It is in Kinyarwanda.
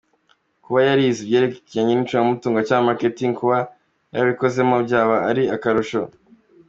Kuba yarize ibyerekeranye n’icungamutungo cg Marketing, kuba yarabikozemo byaba ari akarusho.